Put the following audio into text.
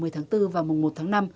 ba mươi tháng bốn và một tháng năm